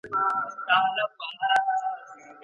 دا بهار، او لاله زار، او ګلشن زما دی